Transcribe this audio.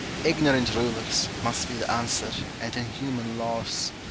Ignorant rulers, must be the answer, and inhuman laws.